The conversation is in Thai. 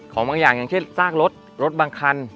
บางอย่างอย่างเช่นซากรถรถบางคัน